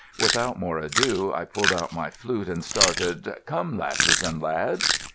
Without more ado I pulled out my flute and started "Come, Lasses and Lads."